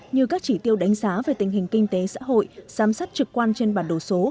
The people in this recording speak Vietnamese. như các chỉ tiêu đánh giá về tình hình kinh tế xã hội giám sát trực quan trên bản đồ số